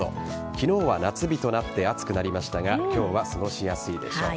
昨日は夏日となって暑くなりましたが今日は過ごしやすいでしょう。